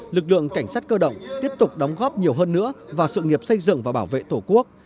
lực lượng cảnh sát cơ động tiếp tục đóng góp nhiều hơn nữa vào sự nghiệp xây dựng và bảo vệ tổ quốc